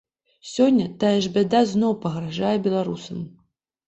Сёння тая ж бяда зноў пагражае беларусам.